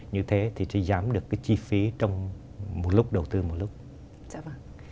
như thế thì sẽ giảm được cái chi phí trong một lúc đầu tiên